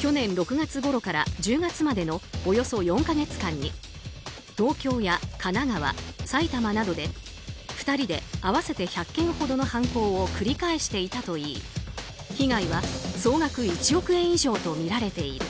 去年６月ごろから１０月までのおよそ４か月間に東京や神奈川、埼玉などで２人で合わせて１００件ほどの犯行を繰り返していたといい被害は総額１億円以上とみられている。